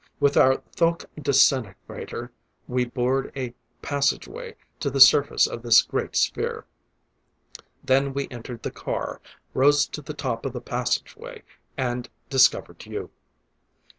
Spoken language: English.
With our thoque disintegrator, we bored a passageway to the surface of this great sphere. Then we entered the car, rose to the top of the passageway, and discovered you.